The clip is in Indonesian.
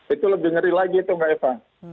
itu lebih ngeri lagi itu mbak eva